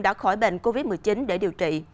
đã khỏi bệnh covid một mươi chín để điều trị